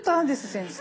先生。